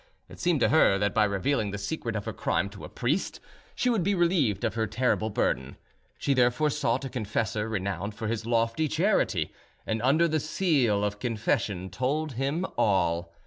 It seemed to her that by revealing the secret of her crime to a priest, she would be relieved of her terrible burden. She therefore sought a confessor renowned for his lofty charity, and, under the seal of confession, told him all.